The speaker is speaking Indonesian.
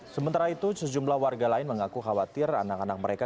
sementara itu sejumlah warga lain mengaku khawatir anak anak mereka